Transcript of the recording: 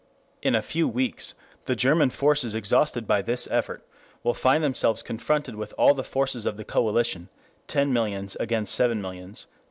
In a few weeks, the German forces exhausted by this effort, will find themselves confronted with all the forces of the coalition (ten millions against seven millions)."